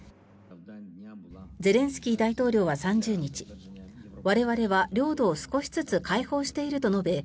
ゼレンスキー大統領は３０日我々は領土を少しずつ解放していると述べ